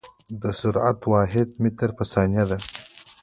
د سرعت واحد متر پر ثانيه ده.